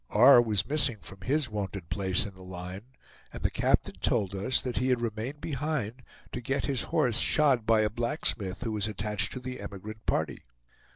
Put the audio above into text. R. was missing from his wonted place in the line, and the captain told us that he had remained behind to get his horse shod by a blacksmith who was attached to the emigrant party.